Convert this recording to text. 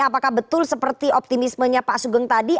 apakah betul seperti optimismenya pak sugeng tadi